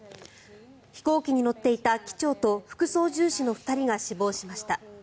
飛行機に乗っていた機長と副操縦士の２人が死亡しました。